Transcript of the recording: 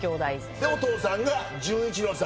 でお父さんが純一郎さん。